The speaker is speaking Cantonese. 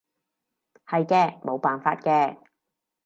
係嘅，冇辦法嘅